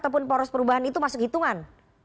perubahan itu masuk hitungan